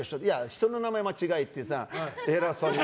人の名前間違えてさ、偉そうに！